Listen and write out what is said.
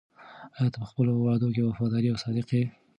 آیا ته په خپلو وعدو کې وفادار او صادق یې؟